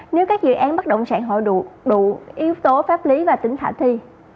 nếu các dự án bắt động sản họ đủ yếu tố pháp lý và tính thả thi